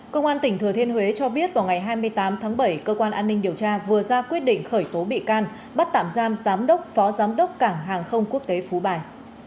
công an tỉnh thừa thiên huế cho biết vào ngày hai mươi tám tháng bảy cơ quan an ninh điều tra vừa ra quyết định khởi tố bị can bắt tạm giam giám đốc phó giám đốc cảng hàng không quốc tế phú bài